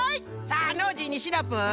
さあノージーにシナプー。